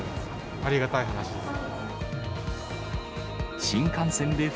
ありがたい話です。